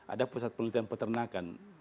ada pusat penelitian peternakan